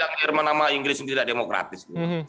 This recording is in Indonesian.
jadi kalau kita bilang yang irman sama inggris ini tidak demokratis